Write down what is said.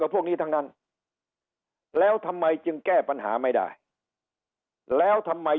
พวกนี้ทั้งนั้นแล้วทำไมจึงแก้ปัญหาไม่ได้แล้วทำไม